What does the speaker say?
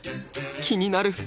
気になる